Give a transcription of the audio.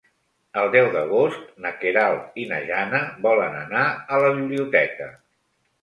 El deu d'agost na Queralt i na Jana volen anar a la biblioteca.